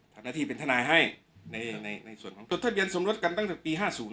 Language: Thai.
ทำหน้าที่เป็นทนายให้ในในในในส่วนของจดทะเบียนสมรถกันตั้งแต่ปีห้าศูนย์